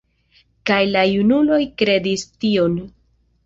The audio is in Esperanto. Kaj la junuloj kredis tion.